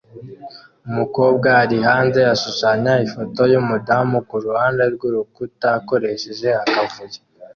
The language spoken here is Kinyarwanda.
Umukobwa ari hanze ashushanya ifoto yumudamu kuruhande rwurukuta akoresheje akavuyo